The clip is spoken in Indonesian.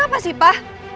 papa kenapa sih pak